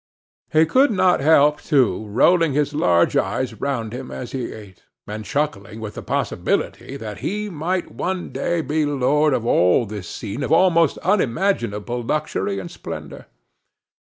He could not help, too, rolling his large eyes round him as he ate, and chuckling with the possibility that he might one day be lord of all this scene of almost unimaginable luxury and splendor.